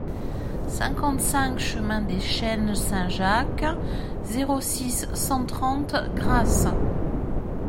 cinquante-cinq chemin des Chênes Saint-Jacques, zéro six, cent trente, Grasse